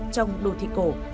trong đô thị